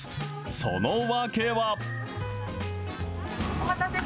その訳は。